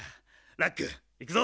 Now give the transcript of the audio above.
ラックいくぞ！